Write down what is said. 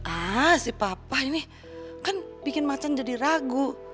ah si papa ini kan bikin macan jadi ragu